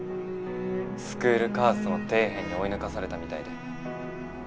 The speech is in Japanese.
スクールカーストの底辺に追い抜かされたみたいで。